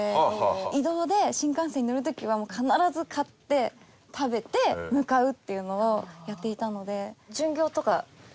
移動で新幹線に乗る時はもう必ず買って食べて向かうっていうのをやっていたので。